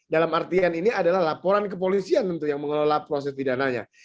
dalam artian ini adalah laporan kepolisian tentu yang mengelola proses pidananya